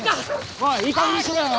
おいいい加減にしろよ。